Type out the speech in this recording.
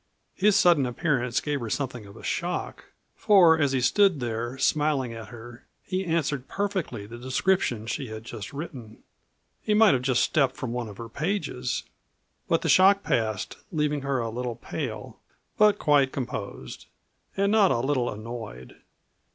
His sudden appearance gave her something of a shock, for as he stood there, smiling at her, he answered perfectly the description she had just written. He might have just stepped from one of her pages. But the shock passed, leaving her a little pale, but quite composed and not a little annoyed.